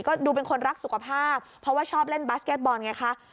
ก็ดูเป็นคนรักสุขภาพเพราะว่าชอบเล่นบาสเก็ตบอลไงคะ